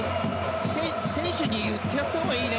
選手に言ってやったほうがいいね。